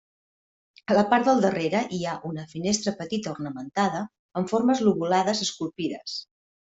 A la part del darrere hi ha una finestra petita ornamentada amb formes lobulades esculpides.